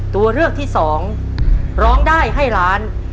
ตัวเลือกที่สองร้องได้ให้ล้าน